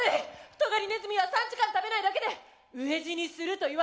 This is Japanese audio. トガリネズミは３時間食べないだけで飢え死にするといわれてるんだ。